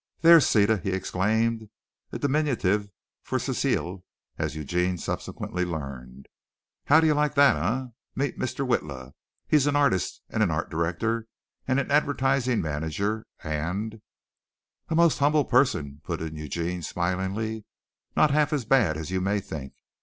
"There, Ceta," he exclaimed (a diminutive for Cecile, as Eugene subsequently learned), "how do you like that, eh? Meet Mr. Witla. He's an artist and an art director and an advertising manager and " "A most humble person," put in Eugene smilingly. "Not half as bad as you may think.